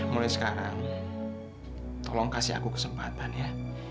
mulai sekarang tolong kasih aku kesempatan ya